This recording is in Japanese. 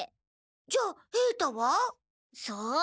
じゃあ平太は？さあ？